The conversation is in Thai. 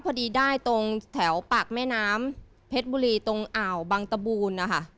พอดีได้ตรงแถวปากแม่น้ำเพชรบุรีตรงอ่าวบังตะบูนนะคะ